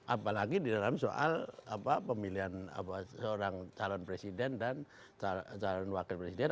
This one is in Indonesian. apalagi di dalam soal pemilihan seorang calon presiden dan calon wakil presiden